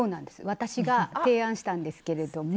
私が提案したんですけれども。